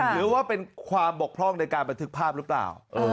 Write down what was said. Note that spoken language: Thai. หรือว่าเป็นความบกพร่องในการบันทึกภาพหรือเปล่า